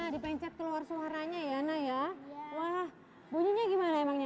dipencet keluar suaranya ya na ya wah bunyinya gimana emangnya